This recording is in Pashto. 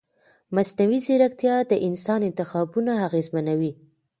مصنوعي ځیرکتیا د انسان انتخابونه اغېزمنوي.